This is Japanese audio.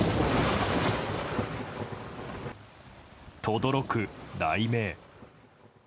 とどろく雷鳴。